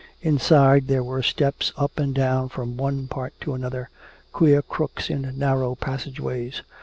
Inside there were steps up and down from one part to another, queer crooks in narrow passageways.